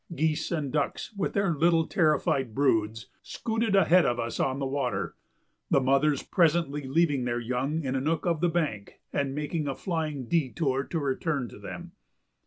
Geese and ducks, with their little terrified broods, scooted ahead of us on the water, the mothers presently leaving their young in a nook of the bank and making a flying détour to return to them.